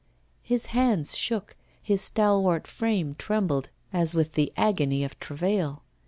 His hands shook, his stalwart frame trembled as with the agony of travail.